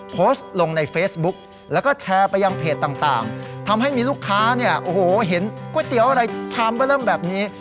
โพสต์ลงในเฟซบุ๊กแล้วก็แชร์ไปยังเพจต่างทำให้มีลูกค้าเนี่ยโอ้โหเห็นก๋วยเตี๋ยวอะไรชามก็เริ่มแบบนี้